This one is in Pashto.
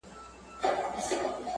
د هغوي خوښه